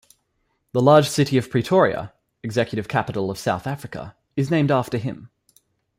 The large city of Pretoria, executive capital of South Africa, is named after him.